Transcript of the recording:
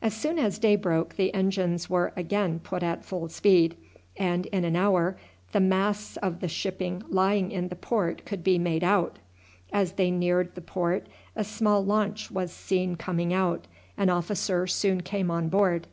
As soon as day broke the engines were again put at full speed, and in an hour the masts of the shipping lying in the port could be made out. As they neared the port a small launch was seen coming out. An officer soon came on board.